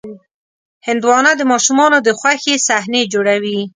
هندوانه د ماشومانو د خوښې صحنې جوړوي.